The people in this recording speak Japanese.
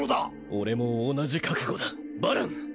俺も同じ覚悟だバラン！